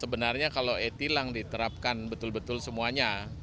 sebenarnya kalau etik lang diterapkan betul betul semuanya